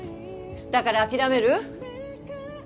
だから諦める？